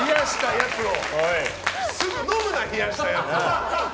すぐ飲むな、冷やしたやつを！